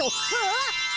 あっ。